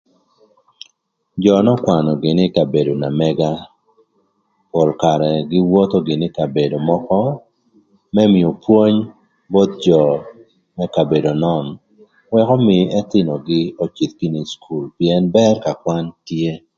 Jö n'ökwanö gïnï kï kabedo na mëga pol karë gïn wotho gïnï ï kabedo mökö më mïö pwony both jö më kabedo nön ëk ömïï ëthïnögï öcïdh g̈ïnï ï cukul pïën bër ka kwan tye.